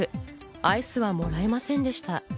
アイスはもらえませんでした。